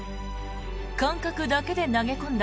感覚だけで投げ込んだ